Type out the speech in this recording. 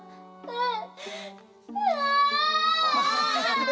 うん！